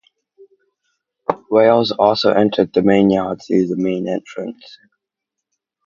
Rails also entered the main yard through the main entrance.